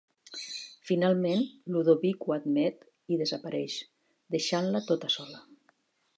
Finalment, Ludovic ho admet i desapareix, deixant-la tota sola.